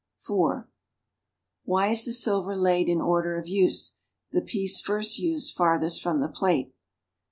(4) Why is the silver laid in order of use, the piece first used farthest from the plate?